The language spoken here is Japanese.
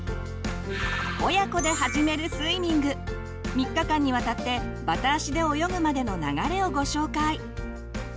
３日間にわたってバタ足で泳ぐまでの流れをご紹介。